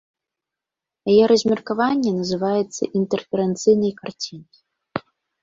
Яе размеркаванне называецца інтэрферэнцыйнай карцінай.